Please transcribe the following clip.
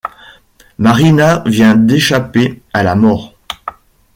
Marina vient d'échapper à la mort.